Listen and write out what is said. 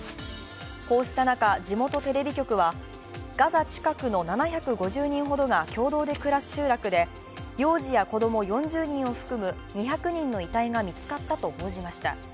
こうした中、地元テレビ局はガザ近くの、７５０人ほどが共同で暮らす集落で幼児や子供４０人を含む２００人の遺体が見つかったと報じました。